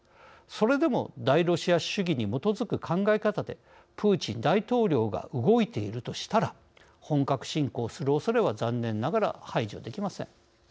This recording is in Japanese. それでも大ロシア主義に基づく考え方でプーチン大統領が動いているとしたら本格侵攻するおそれは残念ながら排除できません。